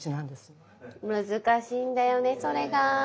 難しいんだよねそれが。